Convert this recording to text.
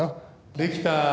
できた！